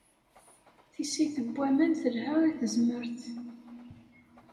Tisit n waman telha i tezmert